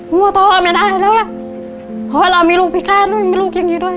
วัวท่อไม่ได้แล้วล่ะเพราะเรามีลูกพิการุ้นมีลูกอย่างงี้ด้วย